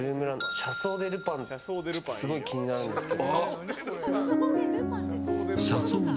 車窓でルパンすごい気になるんですけど。